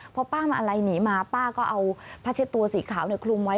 พอป้ามาลัยหนีมาป้าก็เอาผ้าเช็ดตัวสีขาวคลุมไว้